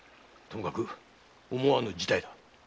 とにかく思わぬ事態だ。